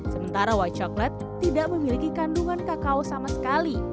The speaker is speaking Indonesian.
sementara white coklat tidak memiliki kandungan kakao sama sekali